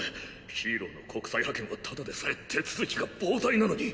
ヒーローの国際派遣はただでさえ手続きが膨大なのに。